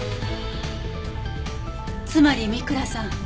つまり三倉さん